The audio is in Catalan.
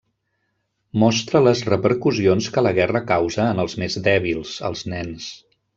Mostra les repercussions que la guerra causa en els més dèbils, els nens.